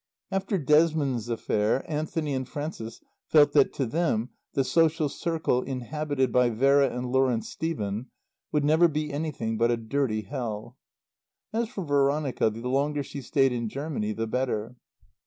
After Desmond's affair Anthony and Frances felt that to them the social circle inhabited by Vera and Lawrence Stephen would never be anything but a dirty hell. As for Veronica, the longer she stayed in Germany the better.